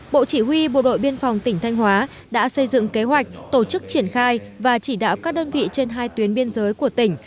bộ chỉ huy bộ đội biên phòng tỉnh thanh hóa đã xây dựng kế hoạch tổ chức triển khai và chỉ đạo các đơn vị trên hai tuyến biên giới của tỉnh